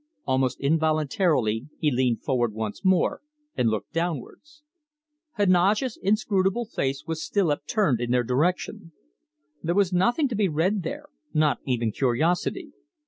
Almost involuntarily he leaned forward once more and looked downwards. Heneage's inscrutable face was still upturned in their direction. There was nothing to be read there, not even curiosity.